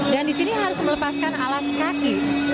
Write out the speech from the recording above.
dan di sini harus melepaskan alas kaki